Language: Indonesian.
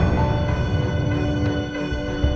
ya kita berhasil